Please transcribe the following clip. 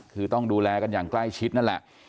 คือต้องดูแลกันอย่างใกล้ชิดนั่นแหละ